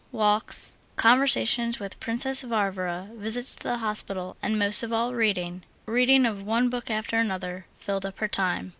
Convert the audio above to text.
Walks, conversation with Princess Varvara, visits to the hospital, and, most of all, reading—reading of one book after another—filled up her time.